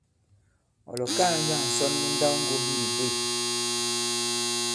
Ɔ̀ lɔ̀kaa njâŋ ǹsɔn mu nndawŋgombi ǐ bwě ?